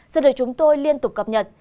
sẽ được chúng tôi liên tục cập nhật